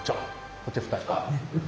こっちは２人。